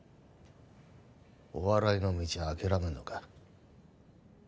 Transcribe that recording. お笑いの道は諦めるのか？